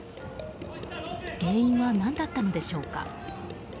原因は何だったのでしょうか。